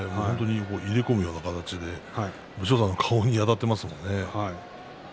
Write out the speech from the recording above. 入れ込むような形で武将山の顔にあたっていますからね。